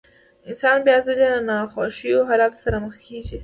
انسان بيا ځلې له ناخوښو حالاتو سره مخ کېږي.